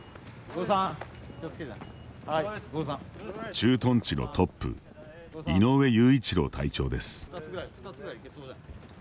駐屯地のトップ井上雄一朗隊長です。